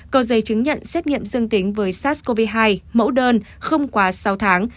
có giấy chứng nhận xét nghiệm dương tính với sars cov hai mẫu đơn không quá sáu tháng